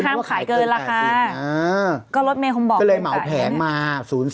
ถ้าว่าขายเกิน๘๐ละก็เลยเหมาแผงมา๐๐